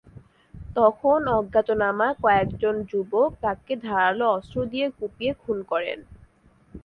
তখন অজ্ঞাতনামা কয়েকজন যুবক তাঁকে ধারালো অস্ত্র দিয়ে কুপিয়ে খুন করেন।